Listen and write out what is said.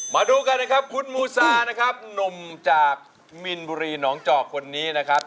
มาดูกันนะครับคุณมูซานะครับหนุ่มจากมินบุรีหนองจอกคนนี้นะครับ